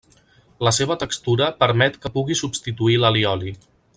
La seva textura permet que pugui substituir l'allioli.